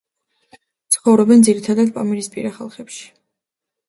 ცხოვრობენ ძირითადად პამირისპირა ხალხები.